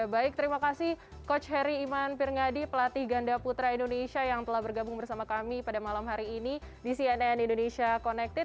baik terima kasih coach harry iman pirngadi pelatih ganda putra indonesia yang telah bergabung bersama kami pada malam hari ini di cnn indonesia connected